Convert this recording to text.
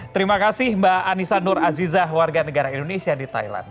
terima kasih mbak anissa nur azizah warga negara indonesia di thailand